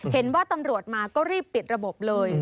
เห็นว่าตำรวจมาก็รีบปิดระบบเลย